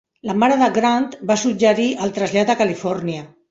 La mare de Grant va suggerir el trasllat a Califòrnia.